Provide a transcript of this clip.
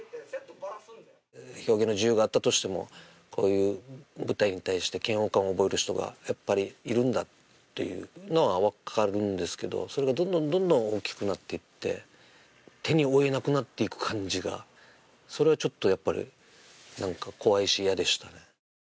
表現の自由があったとしてもこういう舞台に対して嫌悪感を覚える人がやっぱりいるんだというのは分かるんですけどそれがどんどんどんどん大きくなっていって手に負えなくなっていく感じが、それはやはり怖いし嫌でしたね。